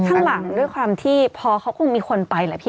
ข้างหลังด้วยความที่พอเขาคงมีคนไปแหละพี่